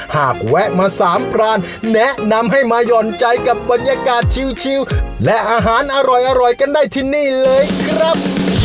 แวะมาสามปรานแนะนำให้มาหย่อนใจกับบรรยากาศชิวและอาหารอร่อยกันได้ที่นี่เลยครับ